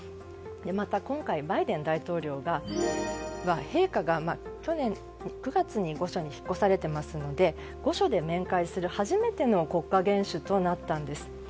また、今回バイデン大統領が陛下が去年９月に御所に引っ越されていますので御所で面会する初めての国家元首となったんです。